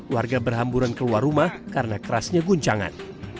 warga berhamburan keluar rumah karena kerasnya guncangan